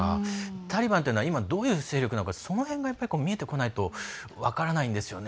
タリバンというのはどういう勢力なのか見えてこないと分からないんですよね